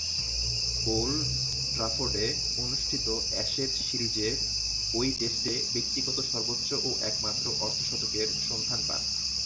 Old ট্রাফোর্ডে অনুষ্ঠিত Ashes সিরিজের ঐ টেস্টে ব্যক্তিগত সর্বোচ্চ ও একমাত্র অর্ধ-শতকের সন্ধান পান।